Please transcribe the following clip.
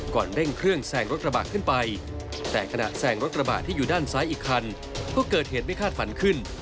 เร่งเครื่องแซงรถกระบะขึ้นไปแต่ขณะแซงรถกระบะที่อยู่ด้านซ้ายอีกคันก็เกิดเหตุไม่คาดฝันขึ้น